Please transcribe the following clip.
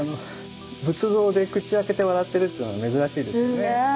仏像で口開けて笑ってるっていうのは珍しいですよね。